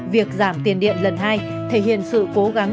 việc giảm tiền điện lần hai thể hiện sự cố gắng